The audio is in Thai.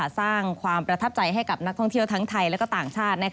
สร้างความประทับใจให้กับนักท่องเที่ยวทั้งไทยและก็ต่างชาติ